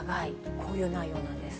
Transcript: こういう内容なんです。